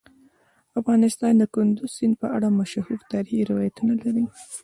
افغانستان د کندز سیند په اړه مشهور تاریخی روایتونه لري.